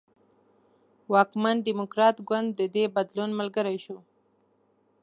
واکمن ډیموکراټ ګوند د دې بدلون ملګری شو.